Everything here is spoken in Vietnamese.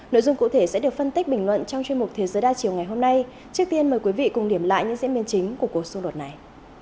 nội dung cụ thể sẽ được phân tích bình luận trong chuyên mục thế giới đa chiều ngày hôm nay